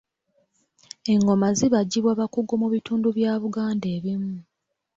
Engoma zibaggibwa bakugu mu bitundu bya buganda ebimu.